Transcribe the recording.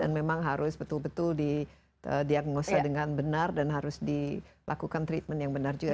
dan memang harus betul betul didiagnosa dengan benar dan harus dilakukan treatment yang benar juga